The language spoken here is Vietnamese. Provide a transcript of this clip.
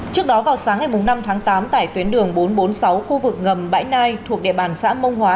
trước đó vào sáng ngày năm tháng tám tại tuyến đường bốn trăm bốn mươi sáu khu vực ngầm bãi nai thuộc địa bàn xã mông hóa